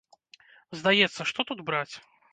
Здаецца, што тут браць?